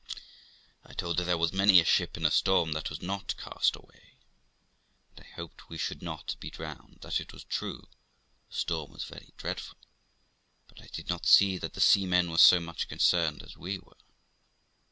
I told her there was many a ship in a storm that was not cast away, and I hoped we should not be drowned; that it was true the storm was very dreadful, but I did not see that the seamen were so much concerned as we were.